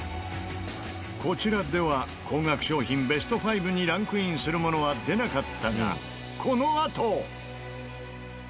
こちらでは高額商品ベスト５にランクインするものは出なかったがこのあと！